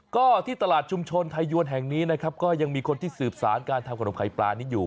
ก็ที่ตลาดชุมชนไทยยวนแห่งนี้นะครับก็ยังมีคนที่สืบสารการทำขนมไข่ปลานี้อยู่